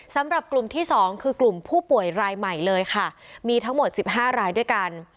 สำหรับกลุ่มที่สองคือกลุ่มผู้ป่วยรายใหม่เลยค่ะมีทั้งหมดสิบห้ารายด้วยกัน